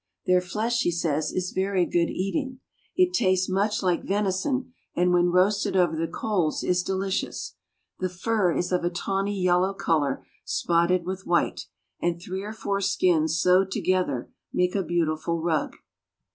Their flesh, he says, is very good eating. It tastes much like venison, and when roasted over the coals is delicious. The fur is of a tawny yellow color spotted with white, and three or four skins sewed together make a. beautiful rug.